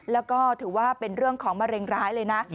แล้วก็ถือว่าเป็นเรื่องของมะเร็งร้ายเลยนะ